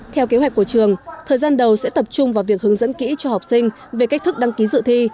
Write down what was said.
theo kế hoạch của trường thời gian đầu sẽ tập trung vào việc hướng dẫn kỹ cho học sinh về cách thức đăng ký dự thi